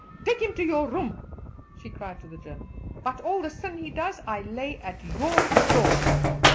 Take him to your room," she cried to the German; "but all the sin he does I lay at your door."